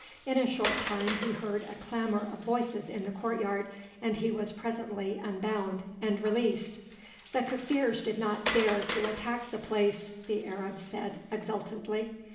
In a short time he heard a clamour of voices in the court yard, and he was presently unbound and released. "The Kaffirs did not dare to attack the place," the Arab said exultantly.